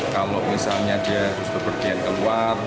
kalau misalnya dia harus berpergian keluar